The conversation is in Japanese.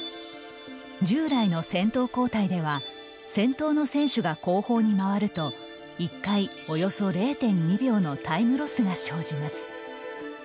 従来の先頭交代では先頭の選手が後方に回ると１回およそ０．２秒のタイムロスが生じます。